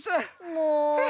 もう！